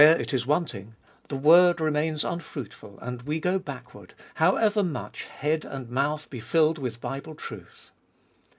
Where it is wanting, the word remains unfruitful, and we go backward, however much head and mouth be filled with Bible truth.